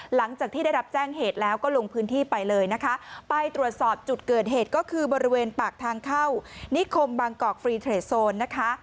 หลังจากที่ได้รับแจ้งเหตุแล้วก็ลงพื้นที่ไปเลยนะคะไปตรวจสอบจุดเกิดเหตุก็คือบริเวณปากทางเข้านิคมบางกอกฟรีเทรดโซนนะคะ